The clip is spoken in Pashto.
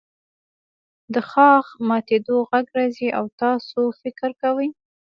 د ښاخ ماتیدو غږ راځي او تاسو فکر کوئ